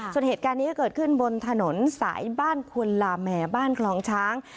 ส่วนเหตุการณ์นี้ก็เกิดขึ้นบนถนนสายบ้านควนลาแม่บ้านคลองช้าง